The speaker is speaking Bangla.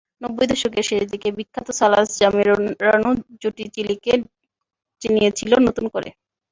নব্বই দশকের শেষ দিকে বিখ্যাত সালাস-জামেরানো জুটি চিলিকে চিনিয়েছিল নতুন করে।